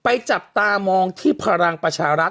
จับตามองที่พลังประชารัฐ